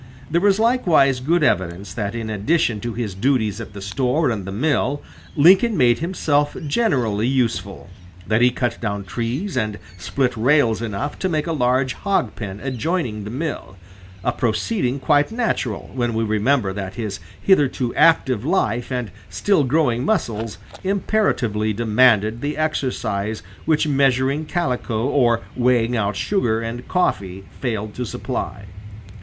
There is likewise good evidence that in addition to his duties at the store and the mill, Lincoln made himself generally useful that he cut down trees and split rails enough to make a large hog pen adjoining the mill, a proceeding quite natural when we remember that his hitherto active life and still growing muscles imperatively demanded the exercise which measuring calico or weighing out sugar and coffee failed to supply.